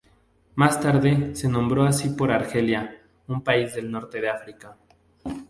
Más tarde, se nombró así por Argelia, un país del norte de África.